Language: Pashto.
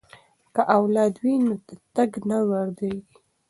که لاره وي نو تګ نه ودریږي.